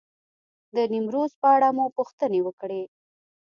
د نیمروز په اړه مو پوښتنې وکړې.